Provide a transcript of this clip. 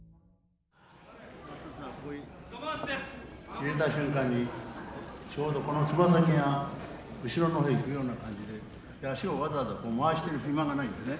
入れた瞬間にちょうどこの爪先が後ろの方へ行くような感じで脚をわざわざ回してる暇がないんですね。